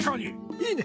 いいね！